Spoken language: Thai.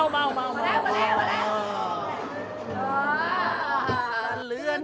เต็มไหน